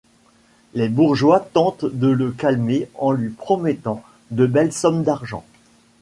Les bourgeois tentent de le calmer en lui promettant de belles sommes d'argent.